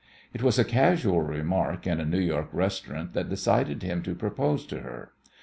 It was a casual remark in a New York restaurant that decided him to propose to her.